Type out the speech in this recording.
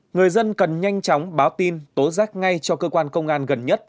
người dân cần nhanh chóng báo tin tố giác ngay cho cơ quan công an gần nhất